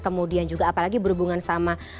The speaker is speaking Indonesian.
kemudian juga apalagi berhubungan sama